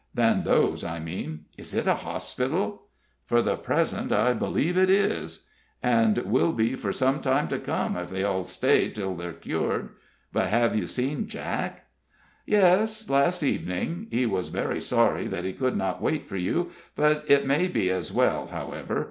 "Than those, I mean. Is it a hospital?" "For the present I believe it is." "And will be for some time to come, if they all stay till they're cured. But have you seen Jack?" "Yes last evening. He was very sorry that he could not wait for you, but it may be as well, however.